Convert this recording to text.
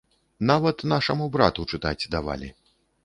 Нават нашаму брату чытаць давалі.